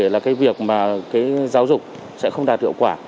là cái việc mà cái giáo dục sẽ không đạt hiệu quả